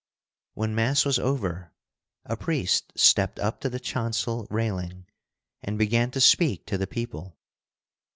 When Mass was over, a priest stepped up to the chancel railing and began to speak to the people.